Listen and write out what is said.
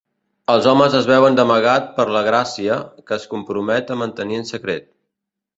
Els homes es veuen d'amagat per la Gràcia, que es compromet a mantenir en secret.